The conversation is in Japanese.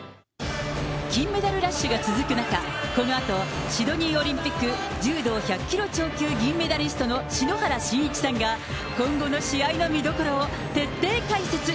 金メダルラッシュが続く中、このあとシドニーオリンピック柔道１００キロ超級銀メダリストの篠原信一さんが、今後の試合の見どころを徹底解説。